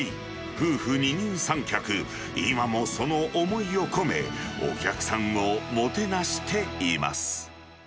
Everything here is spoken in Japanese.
夫婦二人三脚、今もその思いを込め、お客さんをもてなしています。